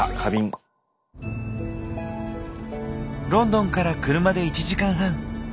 ロンドンから車で１時間半。